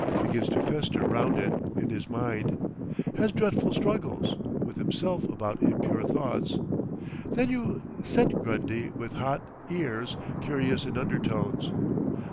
Begins to fester round it in his mind. Has dreadful struggles—with himself about impure thoughts.... Then you set Grundy with hot ears,—curious in undertones.